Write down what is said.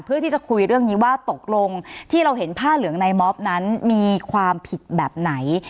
เพื่อที่จะคุยเรื่องนี้ว่าตกลงที่เราเห็นผ้าเหลืองในมอบนั้นมีความผิดแบบไหน